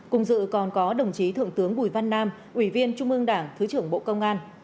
cùng dự còn có đồng chí thượng tướng bùi văn nam ủy viên trung ương đảng thứ trưởng bộ công an